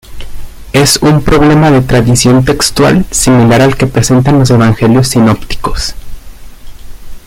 Es un problema de tradición textual similar al que presentan los Evangelios Sinópticos.